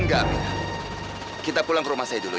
enggak amira kita pulang ke rumah saya dulu ya